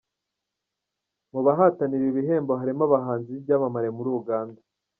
Mu bahatanira ibi bihembo harimo abahanzi b'ibyamamare muri Uganda.